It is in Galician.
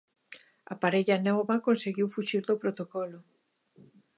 A parella nova conseguiu fuxir do protocolo.